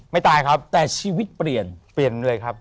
ตายครับแต่ชีวิตเปลี่ยนเปลี่ยนเลยครับ